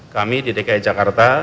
kami di dki jakarta